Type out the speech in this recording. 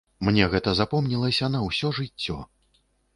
Мне гэта запомнілася на ўсё жыццё.